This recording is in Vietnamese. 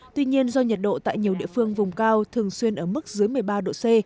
tuy nhiên do nhiệt độ tại nhiều địa phương vùng cao thường xuyên ở mức dưới một mươi ba độ c